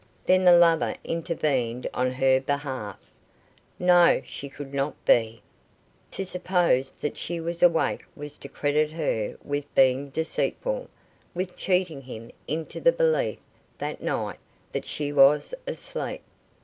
Then the lover intervened on her behalf. No; she could not be. To suppose that she was awake was to credit her with being deceitful with cheating him into the belief that night that she was asleep.